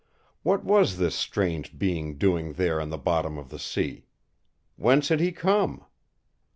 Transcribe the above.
What was this strange being doing there on the bottom of the sea? Whence had he come?